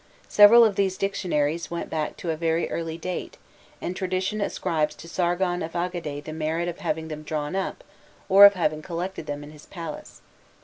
Several of these dictionaries went back to a very early date, and tradition ascribes to Sargon of Agade the merit of having them drawn up or of having collected them in his palace.